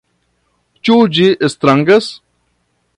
Ĉu ĝi strangas?